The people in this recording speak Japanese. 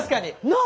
なあ。